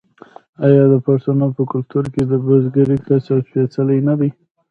آیا د پښتنو په کلتور کې د بزګرۍ کسب سپیڅلی نه دی؟